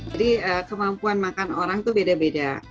jadi kemampuan makan orang itu beda beda